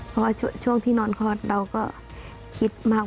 เพราะว่าช่วงที่นอนคลอดเราก็คิดมาก